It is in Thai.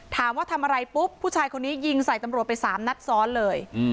ถามว่าทำอะไรปุ๊บผู้ชายคนนี้ยิงใส่ตำรวจไป๓นัดซ้อนเลย